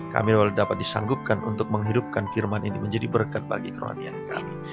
kami dapat disanggupkan untuk menghidupkan firman ini menjadi berkat bagi kerahian kami